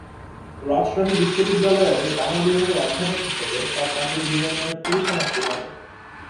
রাজশাহী বিশ্ববিদ্যালয়ের বাংলা বিভাগের অধ্যাপক হিসাবে তার চাকুরী জীবনের পরিসমাপ্তি ঘটে।